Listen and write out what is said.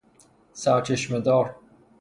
سرچشمه دار